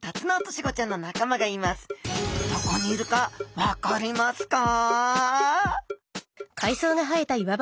どこにいるか分かりますか？